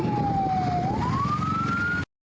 ไปแล้วเอาล่ะ